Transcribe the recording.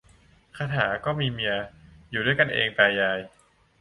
คาถาก็มีเมีย อยู่ด้วยกันเองตายาย